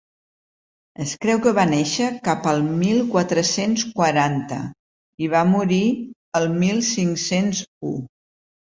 Es creu que va néixer cap al mil quatre-cents quaranta i va morir el mil cinc-cents u.